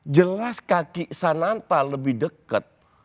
jelas kaki sananta lebih dekat